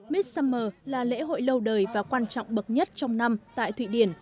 miss summer là lễ hội lâu đời và quan trọng bậc nhất trong năm tại thụy điển